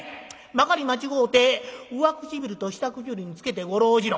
まかり間違うて上唇と下唇につけてごろうじろ。